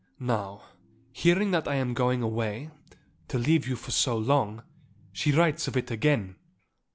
Now, hearing that I am going away, to leave you for so long, she writes of it again.